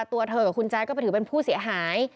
ตัวเธอกับคุณแจ๊ดก็ไปถือเป็นผู้เสียหาย